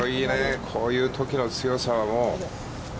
こういうときの強さは、もう。